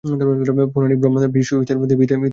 পৌরাণিক ব্রহ্মা, বিষ্ণু, দেবী ইত্যাদি নাম।